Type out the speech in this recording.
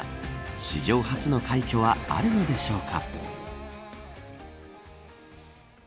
史上初の快挙はあるのでしょうか。